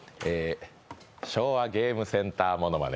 昭和ゲームセンターものまね。